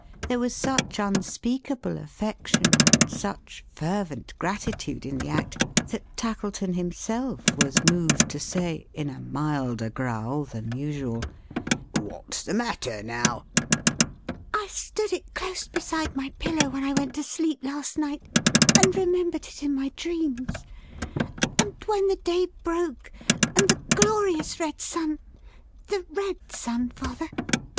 There was such unspeakable affection and such fervent gratitude in the act, that Tackleton himself was moved to say, in a milder growl than usual: "What's the matter now?" "I stood it close beside my pillow when I went to sleep last night, and remembered it in my dreams. And when the day broke, and the glorious red sun the red sun, father?"